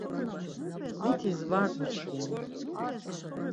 Mitis var uçkini?